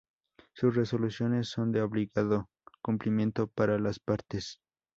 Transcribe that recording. Sus resoluciones son de obligado cumplimiento para las partes.